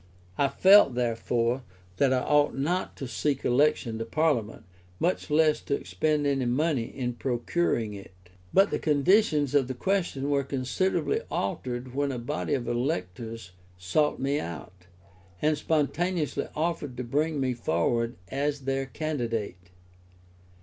I felt, therefore, that I ought not to seek election to Parliament, much less to expend any money in procuring it. But the conditions of the question were considerably altered when a body of electors sought me out, and spontaneously offered to bring me forward as their candidate.